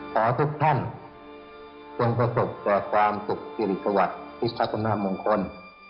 ขอทุกท่านส่วนประสบจากความสุขศิริขวัตรพิษภัณฑ์มงคล